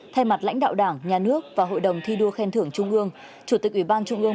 thay mặt lãnh đạo đảng nhà nước và hội đồng thi đua khen thưởng trung ương chủ tịch ủy ban trung ương